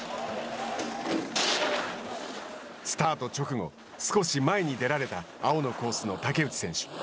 スタート直後少し前に出られた青のコースの竹内選手。